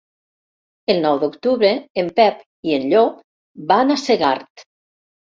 El nou d'octubre en Pep i en Llop van a Segart.